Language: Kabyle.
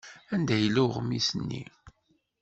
Anda yella uɣmis-nni?